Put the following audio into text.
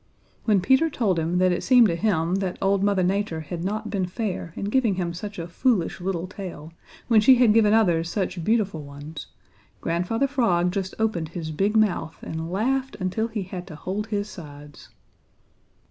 When Peter told him that it seemed to him that Old Mother Nature had not been fair in giving him such a foolish little tail when she had given others such beautiful ones, Grandfather Frog just opened his big mouth and laughed until he had to hold his sides.